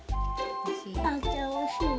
あーちゃんおいしい？